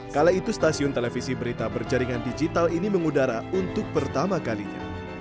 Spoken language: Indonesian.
kala itu stasiun televisi berita berjaringan digital ini mengudara untuk pertama kalinya